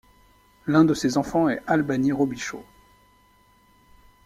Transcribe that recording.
L'un de ses enfants est Albany Robichaud.